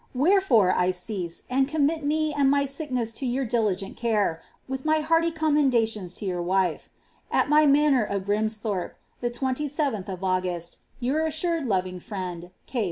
Wherefore, I oeaae, and commit mm and aqr sickDess to your diligent care, with my hear^ oommendatiops to yoor wiftu At my manor of Grymsthorpe, the 27th* August, *«Toor assured loving ftiaad, «K.